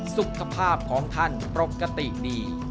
สุขภาพของท่านปกติดี